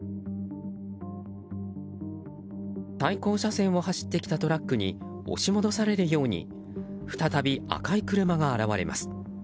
対向車線を走ってきたトラックに押し戻されるように再び赤い車が現れます。